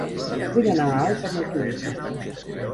Vull anar a Alp amb autobús.